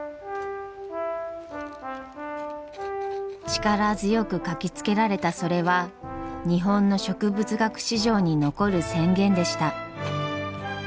力強く書きつけられたそれは日本の植物学史上に残る宣言でした。